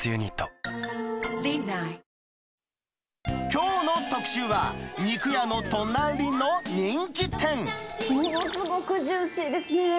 きょうの特集は、ものすごくジューシーですね。